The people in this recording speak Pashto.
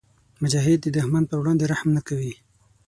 مجاهد د دښمن پر وړاندې رحم نه کوي.